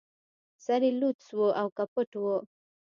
سر يې لڅ و او که پټ و